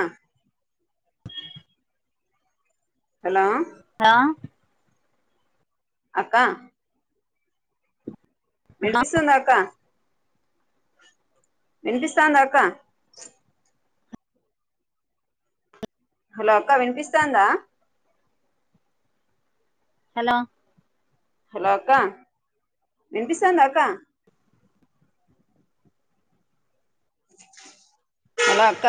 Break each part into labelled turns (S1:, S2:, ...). S1: అ hello
S2: లో
S1: అక్కా వినిపిస్తుంద అక్కా వినిపిస్తాందా అక్క హలో అక్క వినిపిస్తాందా
S2: హలో
S1: హలో అక్క వినిపిస్తాందా అక్క హలో అక్క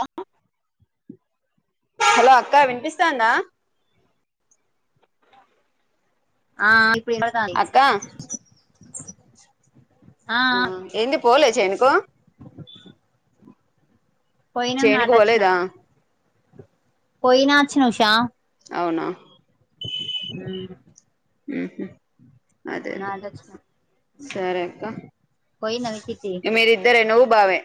S2: లో
S1: హలో అక్క వినిపిస్తాందా
S2: ఆ ఆ ఇప్పుడు వినబడుతంది
S1: అక్క
S2: ఆ ఆ
S1: ఏంది పోలే చేనుకు
S2: పోయినం
S1: చేనుకు పోలేదా
S2: పోయినా అచ్చిన ఉషా
S1: అవునా
S2: అ
S1: ఉహు అదే అదే
S2: నాటచ్చిన
S1: సరే అక్క
S2: పోయిందా మీ చిట్టి
S1: మీరీ ఇద్దరే నువ్వు బావే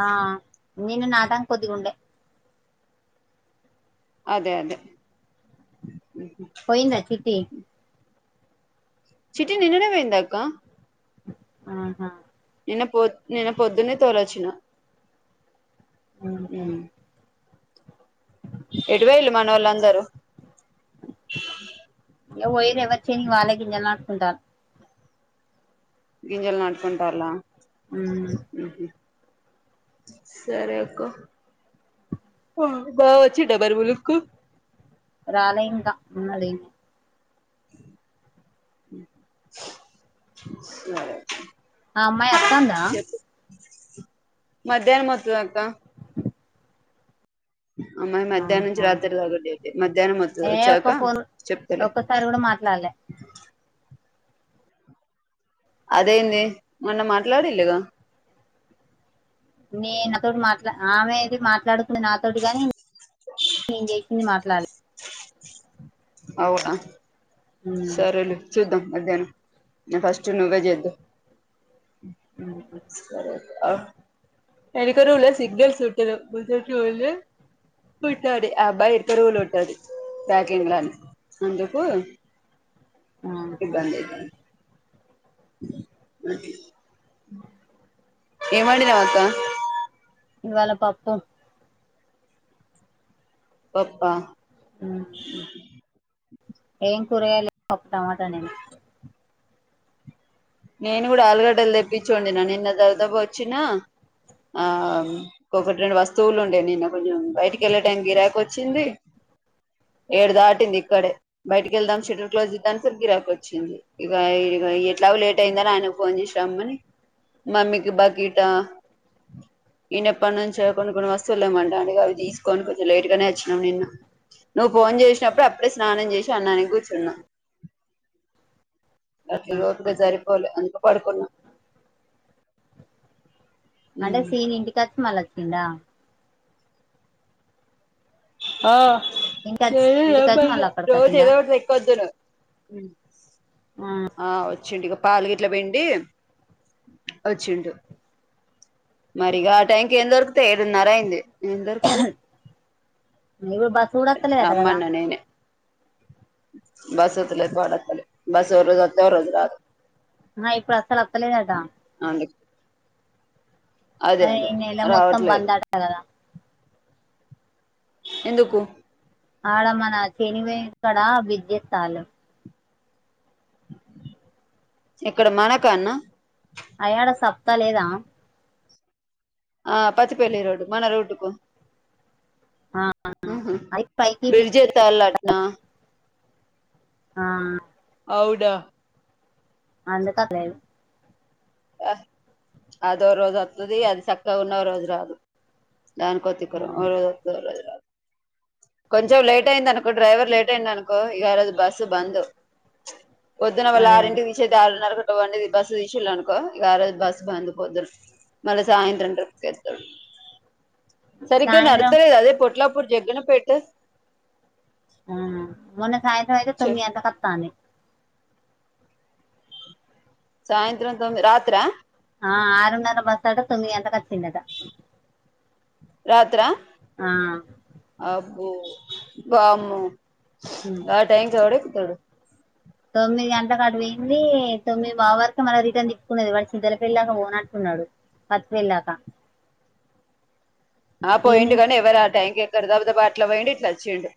S2: ఆ నేను నాదం కొద్దిగా ఉండే
S1: అదే అదే
S2: పోయిందా చిట్టి
S1: చిట్టి నిన్ననే పోయిందక్క
S2: ఆహా
S1: నిన్న పొద్ నిన్న పొద్దున్నే తోలోచ్చిన
S2: ఆ మూకలు
S1: ఉమ్ ఎటుబోయిల్ మనోళ్లందరూ
S2: ఇగ బోయింర్ ఎవరు చెళ్ళో వాళ్ళ గింజలు నాటుకుంటారూ
S1: గింజలు నట్కుంటారలా సరే అక్క బా వచ్చిండ బర్ బులుక్కు
S2: రాలే ఇంకా [unintelligible]
S1: సరే
S2: ఆ అమ్మాయి ఒత్తంద
S1: చెప్పు మధ్యాహ్నం మొత్తది అత్త అమ్మాయి మధ్యాహ్నం నుంచి
S2: ఆహా
S1: రాత్రి తాగలే మధ్యాహ్నం వ వచ్చాక చెప్తలే
S2: సార్ కూడా మాట్లాడలే
S1: అదేంది మొన్న మాట్లాడిల్ గా
S2: నే నాతోటి మాట్లా ఆమె ఇది మాట్లాడు నాతోటి గాని నేను చేసింది మాట్లాడలే
S1: అవునా సరేలే చూద్దాం మధ్యాహ్నం ఫస్ట్ నువ్వే చేదువ్
S2: ఉ
S1: సరే ఆ ఎనక రూమ్ లో సిగ్నల్స్ ఉంటలేవ్ ముందల్కీ వెళ్ళి విట్టాదది అబ్బాయిక రూమ్లుంటది ప్యాకంలా అందుకు ఇబ్బంది అవుతుంది కే ఏం వండినవ్ అక్క
S2: ఇవాళ పప్పు
S1: పప్పా
S2: ఆ ఏం కురగయాలు లేవన్ పప్పు టమాట వండిన
S1: నేను కూడా ఆలుగడ్డలు తెప్పించోండినా నిన్న దాబా దాబా వచ్చినా ఆ ఒకొటి రెండు వస్తువులు ఉండే నిన్న కొంచెం బయటికి వెళ్ళే టైమ్గిరాకి వచ్చింది ఏడు దాటింది ఇక్కడే బయటికి వెళ్దాం షటిల్ క్లోజ్ చేద్దా అని సరికి గీరాక్ వచ్చింది ఇక ఇ ఎట్లా లేట్ లేట్ అయిందని ఆయనకు ఫోన్ చేసి రామ్మని మమ్కి బకెట్ నేను ఎప్పటి నుంచో కొన్ని కొన్ని వస్తువులు లేమంట అంటే అవి తీసుకోని కొంచెం లేట్ గానే వచ్చినాం నిన్న నువ్వు ఫోన్ చేసినప్పుడు అప్పుడే స్నానం చేసి అన్నానికి కూర్చున్నా [inaudible] పోలే అందుకు పడుకున్నా
S2: అంటే సిరి ఇంటికి వచ్చి మల్ల వచ్చిందా
S1: ఓ ఏ
S2: ఇంటికచ్చి ఇంటికచ్చి మళ్ళీ అక్కడికి
S1: రోజ
S2: వచ్చిండా
S1: ఏదాటి తకుతునా [inaudible] ఆ వచ్చి ఇదిగో పాలు గిట్ల పిండి వచ్చిండు మరిగా ఆ టైంకి ఏం దొరుకుతాయి ఏడున్నర అయింది ఏం దొరుకుతాయి
S2: ఉ బస్ కూడా వత్తలేదట కదా
S1: తెమ్మనని బస్సు వొత్తలే పడతలేదు బస్ ఓ రోజైతే ఓ రోజు రాదు
S2: ఆ ఇప్పుడు అసలు వస్తలేదట
S1: అవునులే
S2: ఆ
S1: అదే
S2: ఈనెల మొత్తం
S1: రావట్లేదు
S2: బంద్ అంట కదా
S1: ఎందుకు
S2: ఆడమన సినిమాస్ కాడ బ్రిడ్జ్ వేస్తాడు
S1: ఎక్కడ మన కన్నా
S2: అయినా ఆడ చెప్తా లేదా
S1: ఆ పత్తిపల్లి రోడ్డు మన రోడ్డుకు
S2: ఆ
S1: ఉహు
S2: అది పైకి
S1: బ్రిడ్జ్ ఏత్తన్నారట్లనా
S2: ఆ
S1: అవుడా
S2: అంత తప్ప [inaudible]
S1: ఆ అదో రోజు వస్తుది అది చక్కగా ఉన్న రోజు రాదు దనికి కొతికరజ [inaudible] కొంచెం లేట్ అయింది అనుకుంటారు లేట్ అయింది అనుకో ఇంకా ఆరోజు బస్సు పొద్దున వాళ్లు
S2: అదే
S1: ఆరింటికి తీసే దా [inaudible] రున్నారుది బస్ తీసుళ్ళను కొ ఆరోజు బస్సు బంద్ పొద్దున్నే మళ్ళీ సాయంత్రం రిప్కి వేస్తాడు సరిగ్గా
S2: సాయంత్రం
S1: నడతలేదు అది పొట్లప్పుడు జగ్గనపేటు
S2: ఆ మొన్న సాయ్రం అయితే
S1: చ
S2: తొమ్మిది గంటలకి వత్తాంది
S1: సాయంత్రం తొమ్మిది రాత్ర
S2: ఆ ఆరున్నర బస్సు అంటే తొమ్మిది గంటలకు వచ్చిందట
S1: రాత్ర
S2: ఆ
S1: అబ్బో వామ్మో
S2: ఉ
S1: ఆ టైం కి ఎవరు ఎక్కుతారు
S2: తొమ్మిది గంటలకు అటు పోయింది తొమ్మిది బావ వరకు మల్ల రిటర్న్ తిప్పుకొని వాడు సిద్దల పెళ్లిలాక పోనంటున్నాడు పత్తిల్లాక
S1: ఆ
S2: ఈ
S1: పోయిండు
S2: నుంచి
S1: కానీ ఎవరు ఆ టైం కి ఎక్కరు గబగబా అట్ల పోయిండు ఇట్లా వచ్చిండు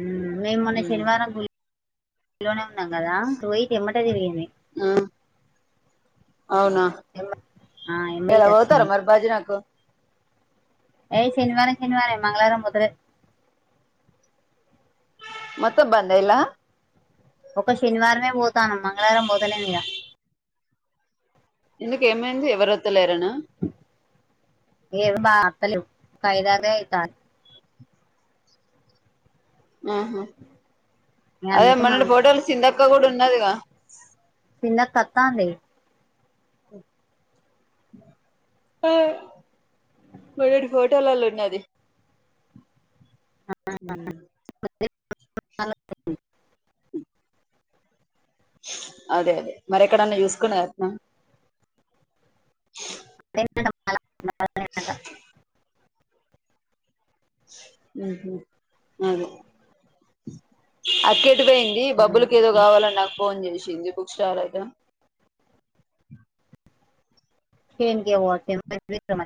S2: ఉ మేము మొన్న
S1: ఉమ్
S2: శనివారం ఇంట్లోనే ఉన్నాం కదా వెమ్మటనే తిరిగింది
S1: ఆ అవునా
S2: ఆ ఎబైకాక్ష [inaudible]
S1: బజారుకు
S2: ఏయ్ శనివారం శనివారం మంగళవారం పోతాలే
S1: మొత్తం బందైలా
S2: ఒక్క శనివారమే పోతానం మంగళవారం పోతాలేనిగ
S1: ఇందుక ఏమైంది ఎవరు వత్తలేరనా?
S2: ఏం బాగత్తలేవ్ ఐదారే ఐతాయ్
S1: ఆహ
S2: ఇగ
S1: అదే
S2: అందుకే
S1: మనని
S2: మంగ
S1: ఫోటోలు సిందక్క కూడా ఉన్నాదిగా?
S2: సిన్నక్కత్తాంది
S1: ఆ మ [unintelligible] టెల్లల్లు ఉన్నది ఉమ్
S2: [inaudible]
S1: అదే అదే మరి ఎక్కడన్నా చూస్కున్నా ఎత్నా?
S2: [inaudible]
S1: ఊహు అదే అక్కేటుపోయింద్ ఈ బబ్బులుకి ఏదో కావాలని నాకు ఫోన్ చేసింది బుక్ స్టాల్ అద
S2: ఏన్కేమో [inaudible] తెల్వ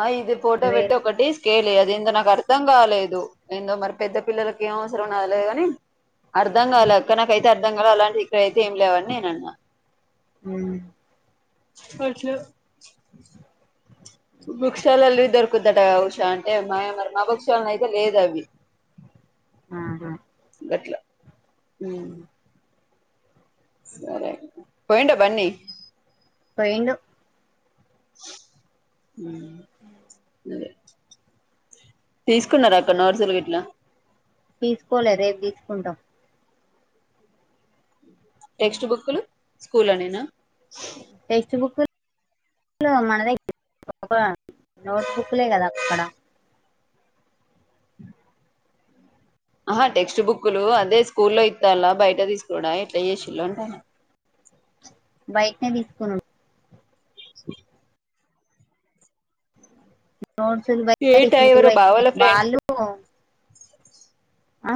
S1: ఆ ఇది
S2: ఇటు
S1: ఫోటో పెట్టి
S2: వేరు
S1: ఒకటిస్ కేలే అది ఏందో నాకు అర్థం కాలేదు ఏందో మరి పెద్ద పిల్లలకి ఏం అవసరమో నాలేదుగాని అర్ధం గాల అక్క నాకైతే అర్థం గాల అలాంటి ఐతే ఏం లేవని నేన్ అన్నా
S2: ఉమ్,
S1: అట్ల బుక్స్ స్టాల్ల లిడ్ దొరుకుదట గాల ఉషా అంటే మాఏ మరి మా బుక్షాలైతే లేదు అవి
S2: ఆహ
S1: గట్లా ఉమ్ సరే పొయిండా బన్నీ
S2: పొయిండు
S1: ఉ
S2: అ
S1: అదే తీస్కున్నారా అక్కా నోట్సులు గిట్లా
S2: తీస్కోలే రేపు తీసుకుంటాం
S1: టెక్స్ట్ బుక్లు స్కూల్ల నేనా
S2: టెక్స్ట్ బుక్ ల్ మన దగ్గర ఒక నోట్ బుక్లే కదా అక్కడ
S1: అ ఆహా టెక్స్ట్ బుక్లు అదే స్కూల్లో ఇత్తాల్లా బయట తీసుకోడా ఎట్లాచేసిళ్ళు అంటాన్నా
S2: బయట్నే తీస్కొను
S1: స
S2: నోట్సు ల్ బైట్నే, టెస్ట్
S1: ఏటా
S2: బుక్లు
S1: ఎవరో
S2: బైట్నే
S1: బావోళ్ళ ఫ్రెండ్స్
S2: వాళ్ళు ఆ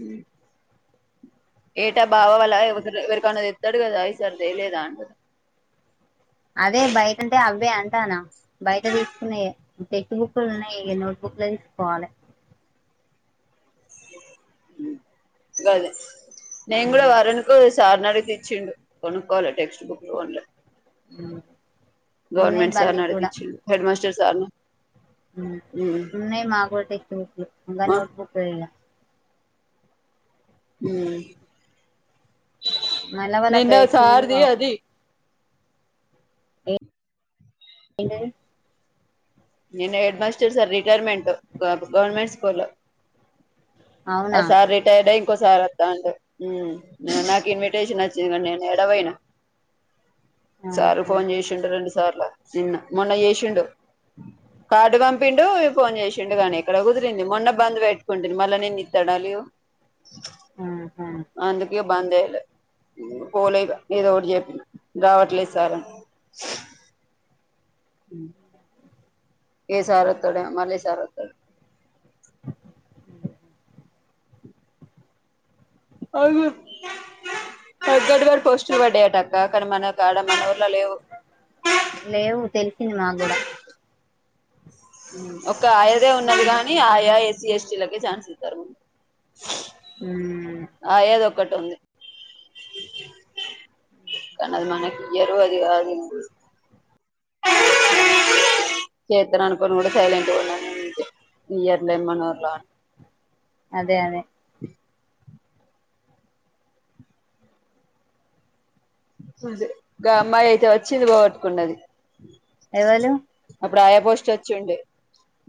S1: ఊ ఏటా బావ వాల ఎవరిదరవరికనా తెత్తాడు కదా ఈసారి తెలేదా అంటున్నా?
S2: అదే బయటంటే అబ్బే అంటానా బయట తీసుకునేయే టెక్స్ట్ బుక్లు ఉన్నాయి ఇగ నోట్ బుక్లే తీసుకోవాలె
S1: గదే నేను గూడా
S2: ఉమ్,
S1: వరుణ్ కు స్ సార్నడిగితే ఇచ్చిండు కొనుక్కవాలె టెక్స్ట్ బుక్లు కొన్లే
S2: ఆ
S1: గవర్మెంట్ సార్ ని అడిగిచ్చ హెడ్ మాస్టర్ సార్ను
S2: ఉన్నయి మాకు టెక్ట్స్ బుక్లూ ఇంకా
S1: ఆ
S2: నోట్ బుక్ పోయిన మళ్ళీ వాళ్ళ
S1: నిన్న
S2: గైడ్స్ కూడా
S1: సారది
S2: కావాలి
S1: అది
S2: ఏంది
S1: నిన్న హెడ్ మాస్టర్ సార్ ది రిటైర్మెంట్ గవర్నమెంట్ స్కూల్ లో
S2: అవునా
S1: ఆస రేట్ టేడ ఇంకోసారి వస్తాండ్ హ్మ్ నాకు ఇన్విటేషన్ వచ్చింది కాని నేను ఏడవోయినా సారు
S2: ఆహా
S1: ఫోన్ చేసిండు రెండు సార్లు నిన్న మొన్న చేసిండు కార్డు పంపిండు ఫోన్ చేసిండు గానీ ఎక్కడ కుదిరింది మొన్న బంద్ పెట్టుకుంటుంది మళ్ళా నేను ఇత్తడాలి
S2: ఆహా
S1: అందుకే బందుచేయలె పోలేదు ఏదో ఒకటి చెప్పి రావట్లేదు సార్ అని హ్మ్ ఏసారొత్తాడు మల్లే సారొత్తాడు అవునా కండక్టర్ పోస్టులు పడ్డాయటక్క కానీ మనకుడ మన ఊర్లో లేవు
S2: లేవు తెలిసింది మా కూడా
S1: ఒక ఆయదే ఉన్నది గాని ఆయా ఎస్సీ ఎస్టీ లకే ఛాన్స్ ఇస్తారు ముందు
S2: మ్మ్
S1: ఆ ఏదో ఒకటి ఉంది కానీ అది మనకి ఎరువు అది ఆగింది కేతురా అనుకొను కూడా సైలెంట్ పో ఇయర్లేమనోర్లా
S2: అదే అదే
S1: గా అమ్మాయి అయితే వచ్చింది పోగట్టుకున్నది
S2: ఎవలు
S1: అప్పుడు ఆయా పోస్ట్ వచ్చింది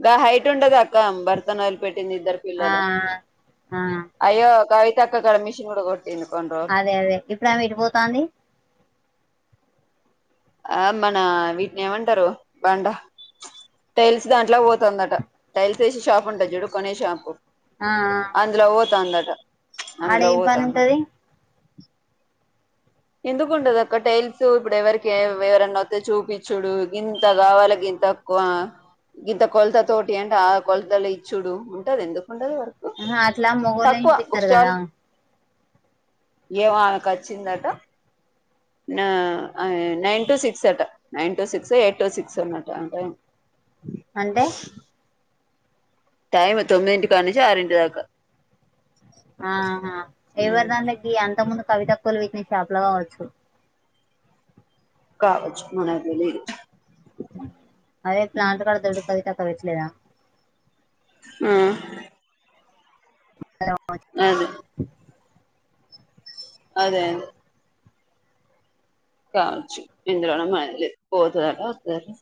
S1: గా హైట్ ఉండదా ఇంక ఆమె బర్తన్ ఆయిల్ పెట్టింది ఇద్దరు
S2: ఆ
S1: పిల్లలు
S2: ఆ
S1: అయ్యో కవిత అక్కడ మిషన్ కూడా కొటికోండ్ర
S2: అదే అదే ఇప్పుడ ఆమె ఎటు పోతాంది
S1: ఆ మన వీటిని ఏమంటారు బాండ టైల్స్ దాంట్లో పోతుందట టైల్స్ వేసి షాప్ ఉంటాది చుడు కొనే షాపు
S2: ఆ ఆ
S1: అందులో పోతాందట
S2: ఆడ
S1: అందులో
S2: ఏం పని
S1: పోతాందట
S2: ఉంటది
S1: ఎందుకుండ దక్క టైల్స్ ఇప్పుడు ఎవరికి ఎవరన్నవస్తే చూపించుడు ఇంత కావాలి గ ఇంత ఇంత కొలత తోటి అంటే ఆ కొలతలు ఇచ్చుడు ఉంటది ఎందుకుండది వర్కు
S2: అ అట్లా మొగల్లా
S1: తక్కువ బుక్
S2: ఇప్పితారు కదా
S1: ఏం ఆమెకు వచ్చిందట నైన్ నైన్ టు సిక్స్ అట ఎయిట్ టు సిక్స్ అన్నట అంట
S2: అంటే
S1: టైమ్ తొమిదింటి కాన్నుంచి ఆ రింటి దాకా
S2: ఆహా ఎవరి
S1: ఉమ్
S2: దాన్లోకి అంత ముందు కవితక్కోలు విక్నే షాప్ లో కావచ్చు
S1: కావచ్చు, మనకు తెలియదు,
S2: అదే ప్లాంట కడతడు కది తక్కవట్లేదా
S1: ఆ
S2: [unintelligible]
S1: అదే అదే అదె కావచ్చు ఎందులోన మయం లేద్ పోతదటా వస్తదటా.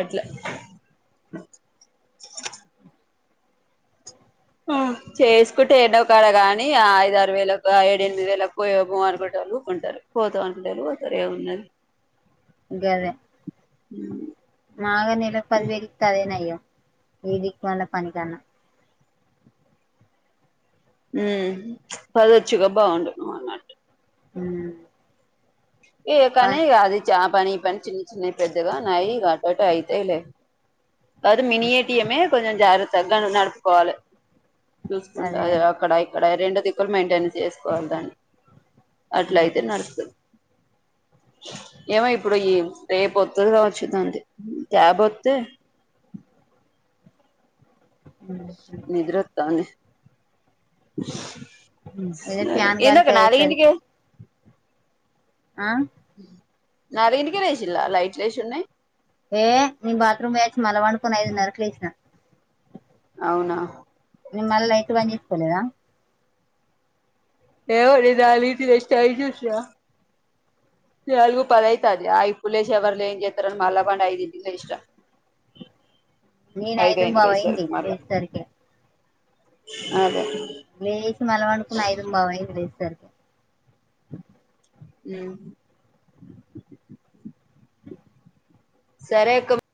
S1: అట్ల ఆ చేసుకుంటే ఏడ్నో ఒక్కాడ గానీ ఆ ఐద్ ఆరు వేలకు ఆ ఏడ్ ఎనిమిది వేలకు ఏమో అనుకుంటోళ్ళు కొంటరు. పోత అన్నటోళ్ళూ వస్తరు ఏమున్నది
S2: గదే నాకే నెలక్ పదివేళ్ కదే నయ్యం ఈ దిక్కుమాలిన పని కన్నా
S1: ఊ ప్చ్ పదొచ్చుగా బాగుండు.
S2: హ్మా
S1: ఏ కానీ ఇగ అది చా పని ఈ పని చిన్న చిన్నవి పెద్దగా నాయీ ఇగ అటటు అయితయిలే. అదు మినీ ఏటిఎమే కొంచం జాగ్రత్తగా నువ్ నడుపుకోవాలే. చూసుకుంటా
S2: అదే అదే
S1: అది అక్కడా ఇక్కడా రెండు దిక్కుల్ మెయింటెన్ చేసుకోవాలి దాన్ని. అట్ల అయితే నడుస్తది ఏమో ఇప్పుడు ఈ రేపొత్తదిగావచ్చు దాంది క్యాబ్ ఒత్తే. నిద్రొత్తాంది
S2: ఏదో ఫ్యాన్ గాలికి
S1: ఏందక్కా
S2: అయ్యేసరి
S1: నాలుగింటికే
S2: ఆ
S1: నాలుగింటికే లేశిల్లా లైట్లు ఏశి ఉన్నయ్
S2: ఏహ్ నేన్ బత్రూమ్ పోయి వచ్చి మల్ల పండుకొని ఐదున్నరకు లేేశినా
S1: అవునా
S2: నేను మల్ల లైట్లు బంజేసుకోలేదా
S1: ఏదో నేను నాలుగింటికి లేశి టైమ్ చూశినా నాల్గు పదైతాంది ఆ ఇపుడు లేశి ఎవర్లు ఏం జేత్తరని మల్లా పండి ఐదింటికి లేశినా.
S2: నేను ఐదుం
S1: అయింది
S2: బావయింది
S1: లేసేసరికి మళ్ళా
S2: లేశేసరికి ఇగా.
S1: అదే
S2: లేశి మల్ల పండుకున్న ఐదుం బావయింది లేేశేసరికి
S1: ఊ సరే అక్క